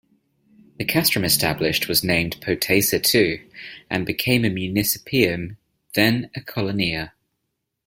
The castrum established was named "Potaissa" too and became a municipium, then a colonia.